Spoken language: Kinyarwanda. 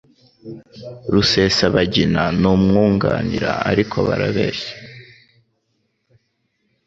Rusesabagina n'umwunganira ariko barabeshya